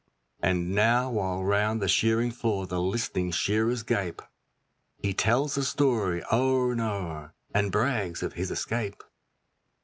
And now while round the shearing floor the list'ning shearers gape, He tells the story o'er and o'er, and brags of his escape.